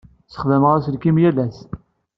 Ssexdameɣ aselkim yal ass.